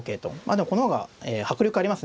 でもこの方が迫力ありますね。